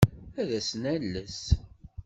Ad as-nales.